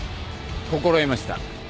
心得ました。